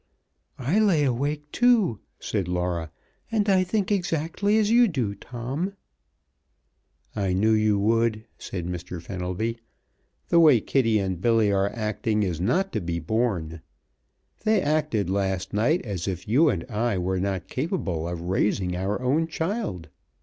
"I lay awake too," said Laura, "and I think exactly as you do, Tom." "I knew you would," said Mr. Fenelby. "The way Kitty and Billy are acting is not to be borne. They acted last night as if you and I were not capable of raising our own child!